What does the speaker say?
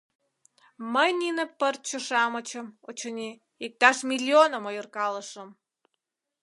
— Мый нине пырче-шамычым, очыни, иктаж миллионым ойыркалышым.